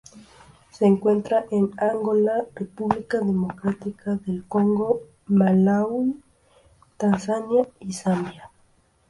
Se encuentra en Angola, República Democrática del Congo, Malaui, Tanzania y Zambia.